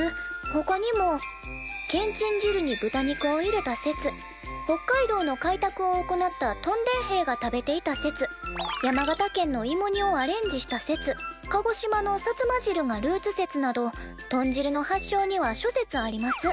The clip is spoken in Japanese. ほかにも「けんちん汁に豚肉を入れた説北海道の開拓を行った屯田兵が食べていた説山形県の芋煮をアレンジした説鹿児島の薩摩汁がルーツ説など豚汁の発祥には諸説あります」。